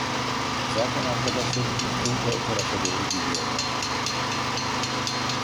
Zaten arkadaşların birçoğu da o tarafa doğru geliyorlar.